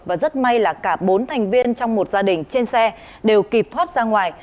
và rất may là cả bốn thành viên trong một gia đình trên xe đều kịp thoát ra ngoài